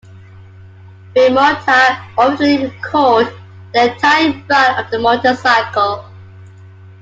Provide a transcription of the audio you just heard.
Bimota ultimately recalled the entire run of the motorcycle.